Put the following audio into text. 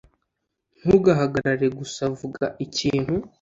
Ntugahagarare gusa vuga ikintu